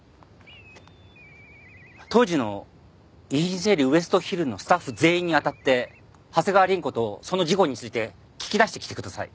当時の遺品整理ウエストヒルのスタッフ全員に当たって長谷川凛子とその事故について聞き出してきてください。